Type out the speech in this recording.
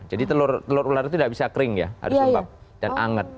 jadi telur telur ular itu tidak bisa kering ya harus lembab dan anget